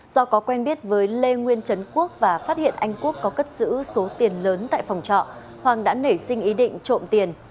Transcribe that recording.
do có quen biết với lê nguyên trấn quốc và phát hiện anh quốc có cất giữ số tiền lớn tại phòng trọ hoàng đã nảy sinh ý định trộm tiền